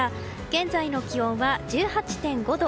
現在の気温は１８．５度。